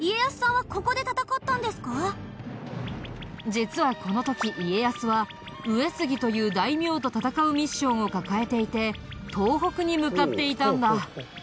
実はこの時家康は上杉という大名と戦うミッションを抱えていて東北に向かっていたんだ。